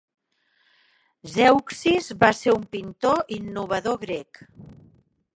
Zeuxis va ser un pintor innovador grec.